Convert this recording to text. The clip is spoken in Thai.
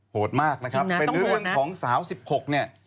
มากนะครับเป็นเรื่องของสาว๑๖เนี่ย